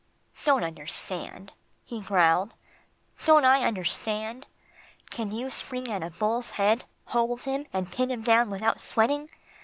"Don't understand," he growled. "Don't I understand? Can you spring at a bull's head, hold him, and pin him down without sweating?